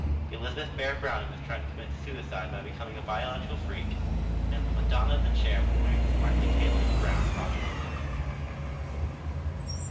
Elizabeth Barrett Browning was trying to commit suicide by becoming a biological freak, and the Madonna of the Chair was wearing a smartly tailored brown rajah suit.